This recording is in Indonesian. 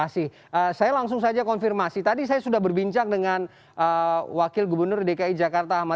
selamat sore bung kerdih